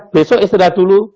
besok istirahat dulu